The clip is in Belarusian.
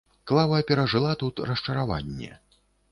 Клава перажыла тут расчараванне.